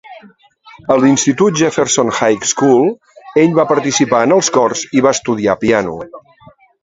A l"institut Jefferson High School, ell va participar en els cors i va estudiar piano.